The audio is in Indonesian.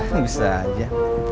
nih bisa aja